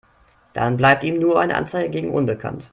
Dann bleibt ihm nur eine Anzeige gegen unbekannt.